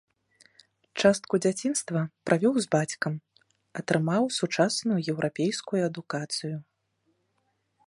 Частку дзяцінства правёў з бацькам, атрымаў сучасную еўрапейскую адукацыю.